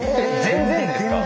全然ですか？